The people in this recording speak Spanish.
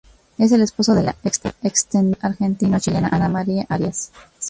Es el esposo de la extenista argentino-chilena Ana María Arias.